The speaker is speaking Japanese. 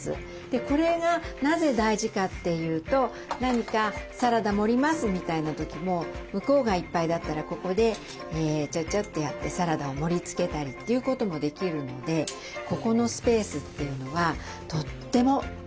これがなぜ大事かっていうと何か「サラダ盛ります」みたいな時も向こうがいっぱいだったらここでちゃちゃっとやってサラダを盛りつけたりということもできるのでここのスペースというのはとっても便利です。